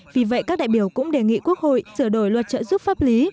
vì vậy các đại biểu cũng đề nghị quốc hội sửa đổi luật trợ giúp pháp lý